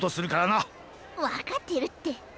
わかってるって。